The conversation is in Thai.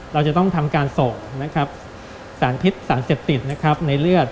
เราจะต้องทำการส่งสารพิษสารเสพติดในเลือด